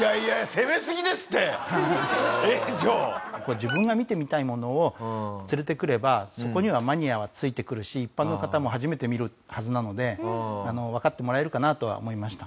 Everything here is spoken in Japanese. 自分が見てみたいものを連れてくればそこにはマニアはついてくるし一般の方も初めて見るはずなのでわかってもらえるかなとは思いました。